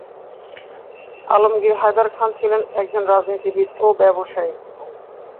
আলমগীর হায়দার খাঁন ছিলেন একজন রাজনীতিবিদ ও ব্যবসায়ী ছিলেন।